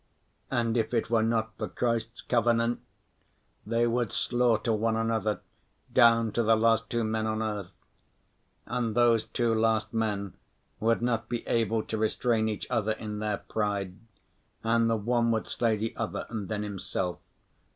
And if it were not for Christ's covenant, they would slaughter one another down to the last two men on earth. And those two last men would not be able to restrain each other in their pride, and the one would slay the other and then himself.